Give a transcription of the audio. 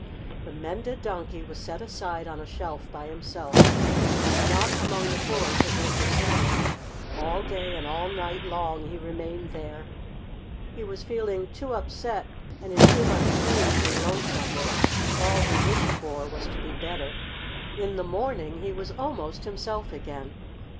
The mended Donkey was set aside on a shelf by himself, and not among the toys that were for sale. All day and all night long he remained there. He was feeling too upset and in too much pain to be lonesome. All he wished for was to be better. In the morning he was almost himself again.